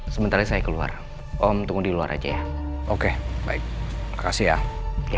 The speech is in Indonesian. sementara saya keluar om tunggu di luar aja ya oke baik makasih ya